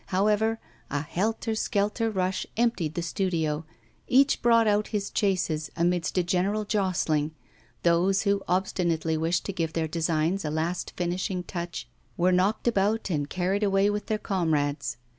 However, a helter skelter rush emptied the studio; each brought out his chases, amidst a general jostling; those who obstinately wished to give their designs a last finishing touch were knocked about and carried away with their comrades.